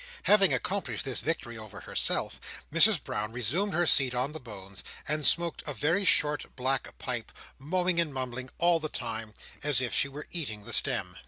Having accomplished this victory over herself, Mrs Brown resumed her seat on the bones, and smoked a very short black pipe, mowing and mumbling all the time, as if she were eating the stem.